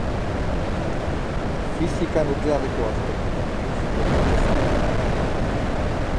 Fisika nuklearreko azterketak egin zituen batez ere.